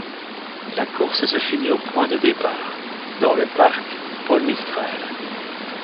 La course se finit au point de départ, dans le parc Paul-Mistral.